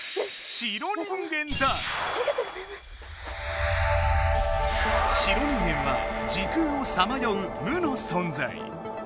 白人間は時空をさまよう無の存在。